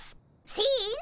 せの。